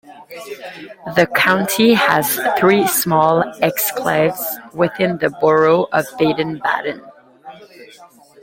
The county has three small exclaves within the borough of Baden-Baden.